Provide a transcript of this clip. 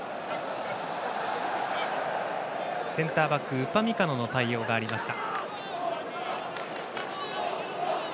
センターバックウパミカノの対応がありました。